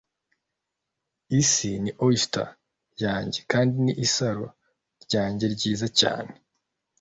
isi ni oyster yanjye ... kandi ni isaro ryanjye ryiza cyane